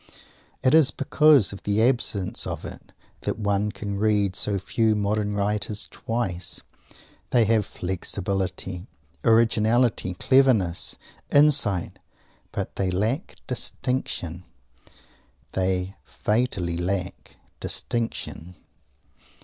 _ It is because of the absence of it that one can read so few modern writers twice! They have flexibility, originality, cleverness, insight but they lack distinction they fatally lack distinction.